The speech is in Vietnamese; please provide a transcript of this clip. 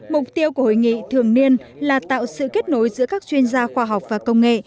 mục tiêu của hội nghị thường niên là tạo sự kết nối giữa các chuyên gia khoa học và công nghệ